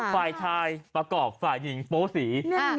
ฝ่ายชายประกอบฝ่ายหญิงโปสี